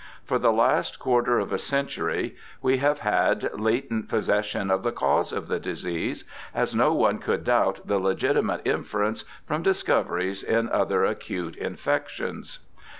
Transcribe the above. For the last quarter of a century we have had latent posses sion of the cause of the disease, as no one could doubt the legitimate inference from discoveries in other acute infections.